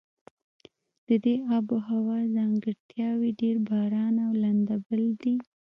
د دې آب هوا ځانګړتیاوې ډېر باران او لنده بل دي.